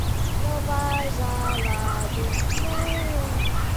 Não vais a lado nenhum!